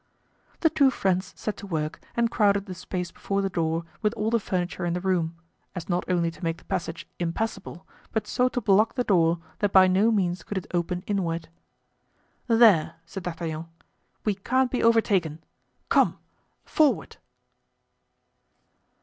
The two friends set to work and crowded the space before the door with all the furniture in the room, as not only to make the passage impassable, but so to block the door that by no means could it open inward. "There!" said D'Artagnan, "we can't be overtaken. Come! forward!"